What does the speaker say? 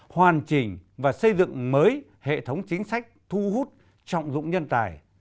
hoàn chỉnh và xây dựng mới hệ thống chính sách thu hút trọng dụng nhân tài